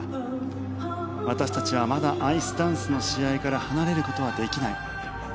私たちはまだアイスダンスの試合から離れる事はできない。